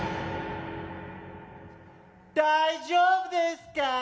大丈夫ですか？